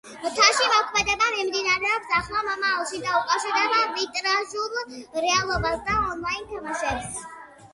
მათში მოქმედება მიმდინარეობს ახლო მომავალში და უკავშირდება ვირტუალურ რეალობას და ონლაინ თამაშებს.